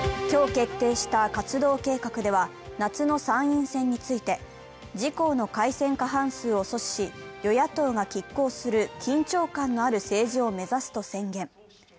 今日決定した活動計画では夏の参院選について自公の改選過半数を阻止し、与野党がきっ抗する緊張感のある政治を目指すと宣言。